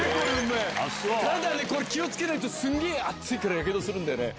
ただこれ気を付けないとすんげぇ熱いからやけどする。